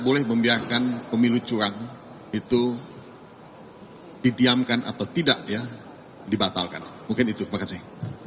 boleh membiarkan pemilu curang itu didiamkan atau tidak ya dibatalkan mungkin itu terima kasih